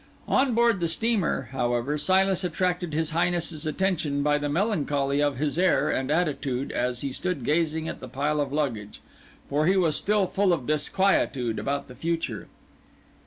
On board the steamer, however, Silas attracted his Highness's attention by the melancholy of his air and attitude as he stood gazing at the pile of baggage; for he was still full of disquietude about the future.